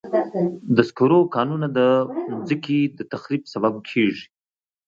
د سکرو کانونه د مځکې د تخریب سبب کېږي.